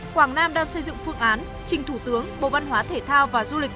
quảng nam đang xây dựng phương án trình thủ tướng bộ văn hóa thể thao và du lịch